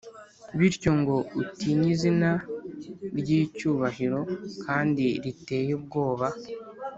bityo ngo utinye izina ry’icyubahiro+ kandi riteye ubwoba,+